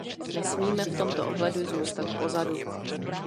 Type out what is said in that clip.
Nesmíme v tomto ohledu zůstat pozadu.